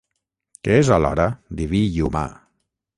Que és alhora diví i humà.